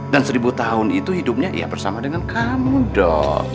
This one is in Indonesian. dan seribu tahun itu hidupnya bersama dengan kamu dong